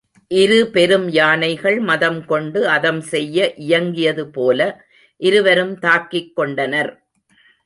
இரு பெரு யானைகள் மதம் கொண்டு அதம் செய்ய இயங்கியது போல இருவரும் தாக்கிக் கொண்ட னர்.